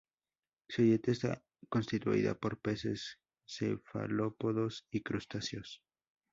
Su dieta está constituida por peces, cefalópodos y crustáceos.